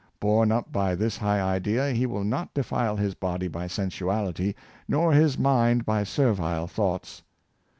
Borne up by this high idea, he will not defile his body by sensuality, nor his mind by servile thoughts.